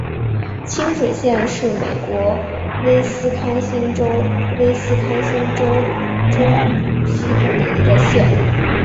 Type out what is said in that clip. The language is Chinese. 清水县是美国威斯康辛州威斯康辛州中西部的一个县。